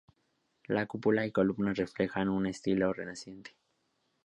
La cúpula y columnas reflejan un estilo renacentista.